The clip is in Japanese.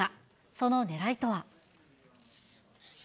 そのねらいとは。